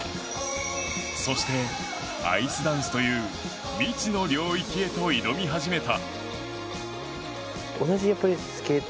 そして、アイスダンスという未知の領域へと挑み始めた。